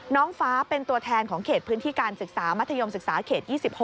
น้องฟ้าเป็นตัวแทนของเขตพื้นที่การศึกษามัธยมศึกษาเขต๒๖